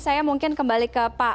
saya mungkin kembali ke pak